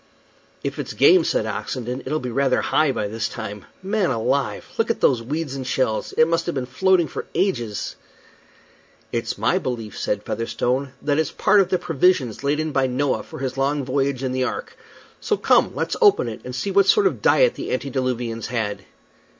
"If it's game," said Oxenden, "it'll be rather high by this time. Man alive! look at those weeds and shells. It must have been floating for ages." "It's my belief," said Featherstone, "that it's part of the provisions laid in by Noah for his long voyage in the ark. So come, let's open it, and see what sort of diet the antediluvians had."